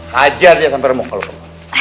hajar dia sampai remuk kalau kamu mau